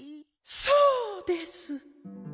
そうです。